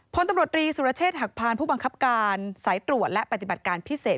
พลตำรวจรีสุรเชษฐหักพานผู้บังคับการสายตรวจและปฏิบัติการพิเศษ